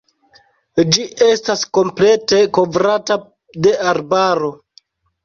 Ĝi estas komplete kovrata de arbaro.